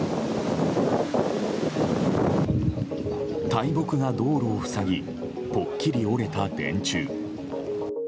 大木が道路を塞ぎぽっきり折れた電柱。